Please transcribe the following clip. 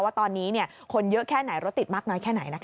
ว่าตอนนี้คนเยอะแค่ไหนรถติดมากน้อยแค่ไหน